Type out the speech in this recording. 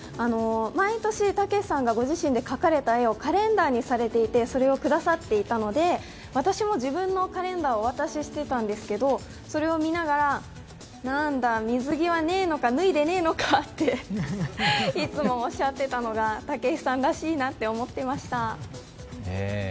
毎年たけしさんがご自身で描かれた絵をカレンダーにされていて、それをくださっていたので私も自分のカレンダーをお渡ししてたんですけどそれを見ながら、なぁんだ、水着はねぇのか、脱いでねえのかって、いつもおっしゃっていたのが、たけしさんらしいなって思っていました。